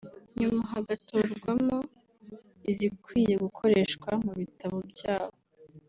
nyuma hagatorwamo izikwiye gukoreshwa mu bitabo byabo